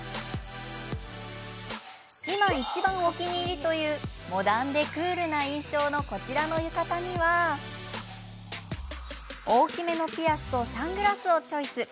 今いちばんお気に入りというモダンでクールな印象のこちらの浴衣には大きめのピアスとサングラスをチョイス。